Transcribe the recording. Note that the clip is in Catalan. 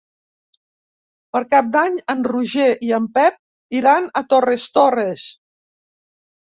Per Cap d'Any en Roger i en Pep iran a Torres Torres.